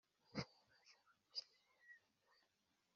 simbashe kumva neza ubutabera n’amategeko.